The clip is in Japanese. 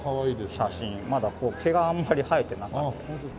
まだこう毛があんまり生えてなかった。